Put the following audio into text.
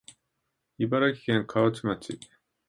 茨城県河内町